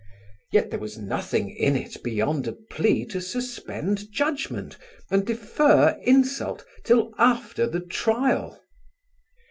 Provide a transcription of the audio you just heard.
Yet there was nothing in it beyond a plea to suspend judgment and defer insult till after the trial.